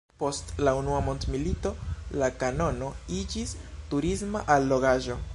Post la Unua Mondmilito la kanono iĝis turisma allogaĵo.